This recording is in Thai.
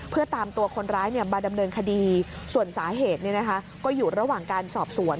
เพื่อตามตัวคนร้ายมาดำเนินคดีส่วนสาเหตุก็อยู่ระหว่างการสอบสวน